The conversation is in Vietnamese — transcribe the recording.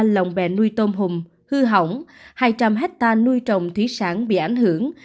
hai năm trăm bốn mươi ba lòng bẹ nuôi tôm hùm hư hỏng hai trăm linh hectare nuôi trồng thủy sản bị ảnh hưởng